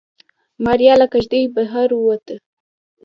ماريا له کېږدۍ بهر ووته.